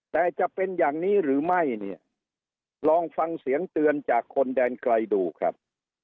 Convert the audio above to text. แต่จะเป็นอย่างนี้หรือไม่เนี่ยลองฟังเสียงเตือนจากคนแดนไกลดูครับ